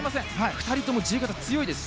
２人とも自由形、強いです。